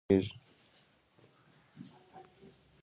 کان کيندل کېږي.